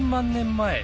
前